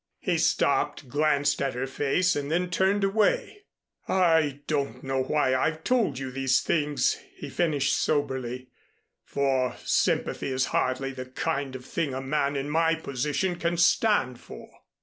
He stopped, glanced at her face and then turned away. "I don't know why I've told you these things," he finished soberly, "for sympathy is hardly the kind of thing a man in my position can stand for."